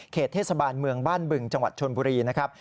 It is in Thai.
เทศบาลเมืองบ้านบึงจังหวัดชนบุรีนะครับ